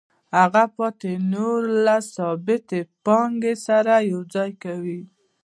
هغه پاتې نوره له ثابتې پانګې سره یوځای کوي